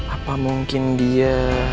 apa mungkin dia